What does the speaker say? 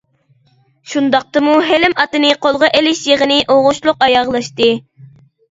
شۇنداقتىمۇ ھېلىم ئاتىنى قولغا ئېلىش يىغىنى ئوڭۇشلۇق ئاياغلاشتى.